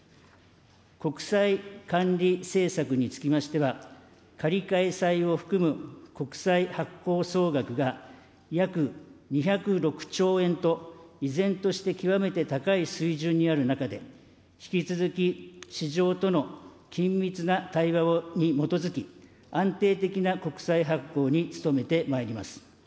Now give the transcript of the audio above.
国債管理政策につきましては、借換債を含む国債発行総額が約２０６兆円と、依然として極めて高い水準にある中で、引き続き市場との緊密な対話に基づき、安定的な国債発行に努めてまいります。